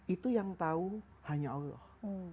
itu yang tahu hanya allah